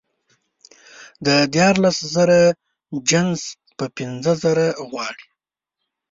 د دیارلس زره جنس په پینځه زره غواړي